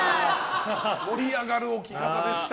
盛り上がる置き方でした。